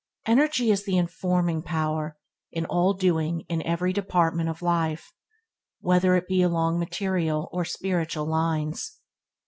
Energy is the informing power in all doing in every department of life, and whether it be along material or spiritual lines.